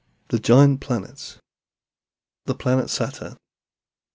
THE GIANT PLANETS. THE PLANET SATURN.